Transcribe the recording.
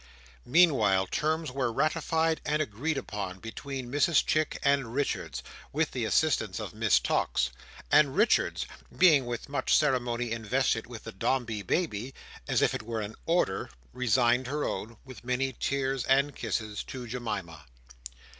Meanwhile terms were ratified and agreed upon between Mrs Chick and Richards, with the assistance of Miss Tox; and Richards being with much ceremony invested with the Dombey baby, as if it were an Order, resigned her own, with many tears and kisses, to Jemima.